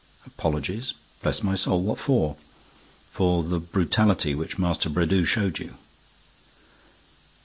"Apologies! Bless my soul, what for?" "For the brutality which Master Brédoux showed you."